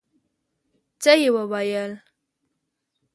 څه يې وويل.